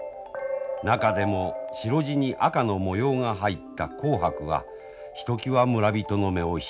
中でも白地に赤の模様が入った紅白はひときわ村人の目を引きました。